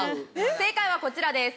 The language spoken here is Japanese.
正解はこちらです。